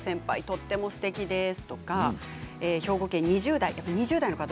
とてもすてきですとか兵庫県２０代の方。